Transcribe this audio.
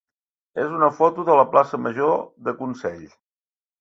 és una foto de la plaça major de Consell.